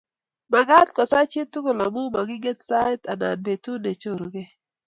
Makaat kosaa chi tukul amu makinget sait anan betut nechorukei